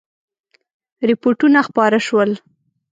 رپوټونه خپاره شول.